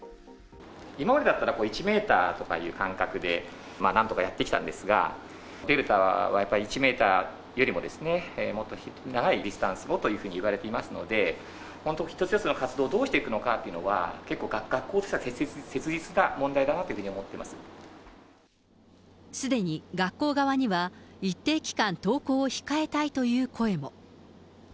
今までだったら１メーターとかいう間隔でなんとかやってきたんですが、デルタはやっぱり１メーターよりももっと長いディスタンスをといわれていますので、本当、一つ一つの活動をどうしていくのかっていうのは、結構、学校としては切実な問題だなというふうに思ってすでに学校側には、一定期間、登校を控えたいという声も。